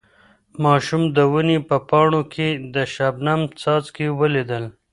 ماشوم د ونې په پاڼو کې د شبنم څاڅکي ولیدل.